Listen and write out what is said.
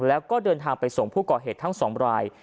แล้วก็เดินทางไปส่งผู้ก่อเหตุทั้ง๒ราย